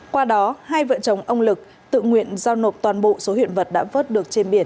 qua đó hai vợ chồng ông lực tự nguyện giao nộp toàn bộ số hiện vật đã vớt được trên biển